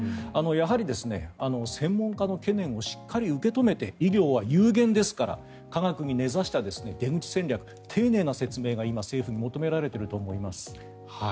やはり専門家の懸念をしっかり受け止めて医療は有限ですから科学に根ざした丁寧な説明が今、政府に求められていると思います。